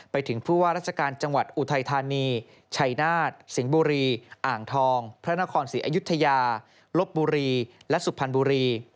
ไปถึงผู้ว่าราชการจังหวัดอุทัยธานีชัยนาฏสิงห์บุรีอ่างทองพระนครศรีอยุธยาลบบุรีและสุพรรณบุรี